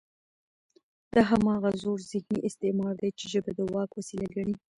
دا هماغه زوړ ذهني استعمار دی، چې ژبه د واک وسیله ګڼي